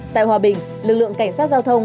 tại hòa bình lực lượng cảnh sát giao thông